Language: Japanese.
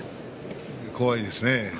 怖いですね。